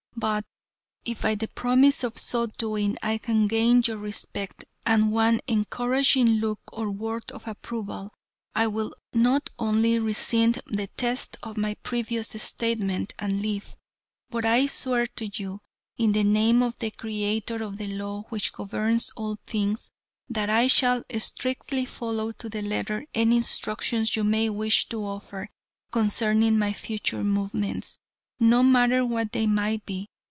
But, if by the promise of so doing I can gain your respect and one encouraging look or word of approval, I will not only rescind the text of my previous statement and live, but I swear to you in the name of the Creator of the law which governs all things, that I shall strictly follow to the letter any instructions you may wish to offer concerning my future movements, no matter what they might be.